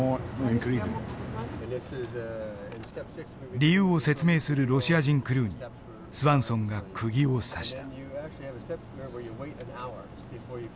理由を説明するロシア人クルーにスワンソンがくぎを刺した。